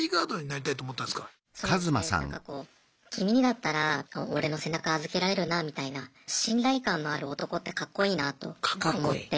なんかこう君にだったら俺の背中預けられるなみたいな信頼感のある男ってカッコいいなあと思って。